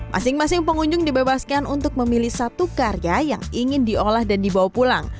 masing masing pengunjung dibebaskan untuk memilih satu karya yang ingin diolah dan dibawa pulang